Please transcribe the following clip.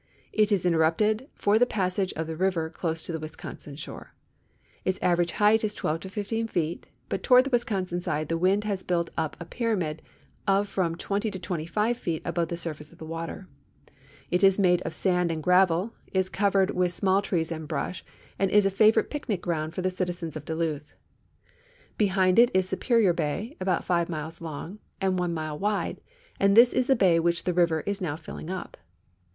It is interrupted for the passage of the river close to the Wisconsin shore. Its average height is 12 to 15 feet, but toward the Wisconsin side the wnnd has built up a pyramid of from 20 to 25 feet above the surface of the water. It is made of sand and gravel, is covered with small trees and brush, and is a favorite picnic ground for the citizens of Duluth. Behind it is Superior bay, about five miles long and one mile wide, and this is the bay which the river is now filling up.